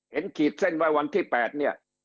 เห็นขีดเส้นว่าวันที่๘เนี่ย